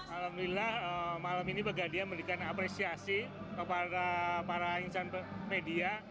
alhamdulillah malam ini pegadian memberikan apresiasi kepada para insan media